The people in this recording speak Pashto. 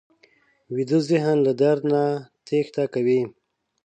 ویده ذهن له درد نه تېښته کوي